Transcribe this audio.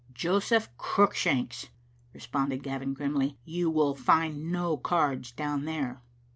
" "Joseph Cruickshanks," responded Gavin grimly, "you will find no cards down there."